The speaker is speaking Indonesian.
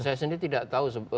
saya sendiri tidak tahu